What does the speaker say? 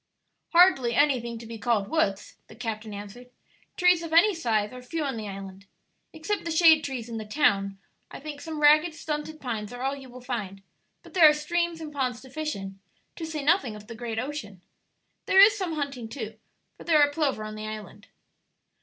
"Hardly anything to be called woods," the captain answered; "trees of any size are few on the island. Except the shade trees in the town, I think some ragged, stunted pines are all you will find; but there are streams and ponds to fish in, to say nothing of the great ocean. There is some hunting, too, for there are plover on the island."